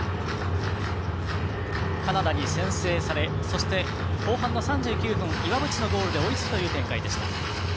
カナダに先制されそして後半の３９分岩渕のゴールで追いつくという展開でした。